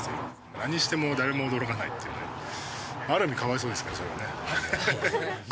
何をしても誰も驚かないっていうね、ある意味かわいそうですかね、それはね。